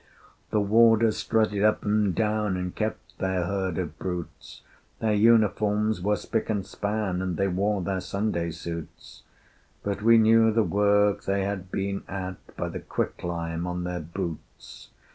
The Warders strutted up and down, And kept their herd of brutes, Their uniforms were spick and span, And they wore their Sunday suits, But we knew the work they had been at By the quicklime on their boots.